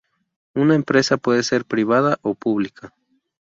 Una empresa puede ser privada o pública.